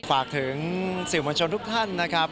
ฝากถึงสื่อมวลชนทุกท่านนะครับ